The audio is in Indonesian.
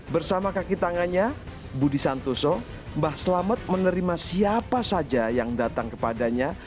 bersama kaki tangannya budi santoso mbah selamet menerima siapa saja yang datang kepadanya